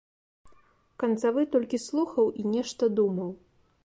Канцавы толькі слухаў і нешта думаў.